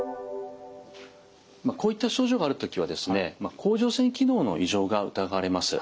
こういった症状がある時は甲状腺機能の異常が疑われます。